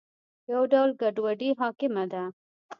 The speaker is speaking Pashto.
یو ډول ګډوډي حاکمه ده.